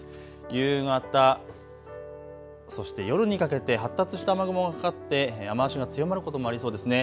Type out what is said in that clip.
夕方、そして夜にかけて発達した雨雲がかかって雨足が強まることもありそうですね。